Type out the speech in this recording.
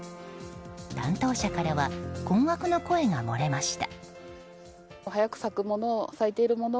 担当者からは困惑の声が漏れました。